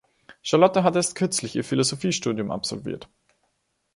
Charlotte hat erst kürzlich ihr Philosophiestudium absolviert.